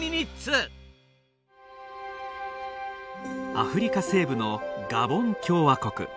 アフリカ西部のガボン共和国。